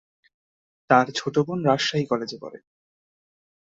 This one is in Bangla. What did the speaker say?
তার ছোট বোন রাজশাহী কলেজে পড়ে।